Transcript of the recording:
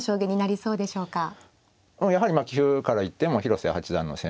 やはりまあ棋風から言っても広瀬八段の攻め